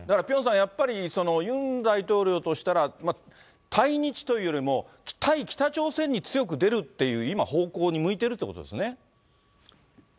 やっぱり、ユン大統領としたら、対日というよりも、対北朝鮮に強く出るっていう、今、方向に向いてるってことですね？